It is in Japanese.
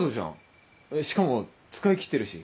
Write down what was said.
しかも使い切ってるし。